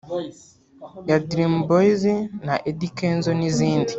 ya Dream Boyz na Eddy Kenzo n’izindi